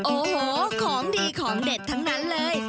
โอ้โหของดีของเด็ดทั้งนั้นเลย